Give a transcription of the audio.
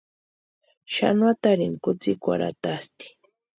Xanuatarini kutsïkwarhu atasti.